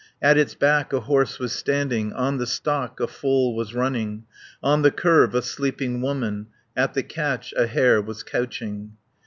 At its back a horse was standing, On the stock a foal was running, On the curve a sleeping woman, At the catch a hare was couching.